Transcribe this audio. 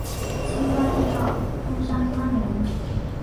轻关易道，通商宽农